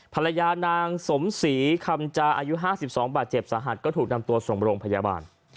ภรรยานางสมศรีคำจาอายุ๕๒บาดเจ็บสาหัสก็ถูกนำตัวส่งโรงพยาบาล